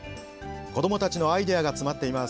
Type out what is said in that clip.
子どもたちのアイデアが詰まっています。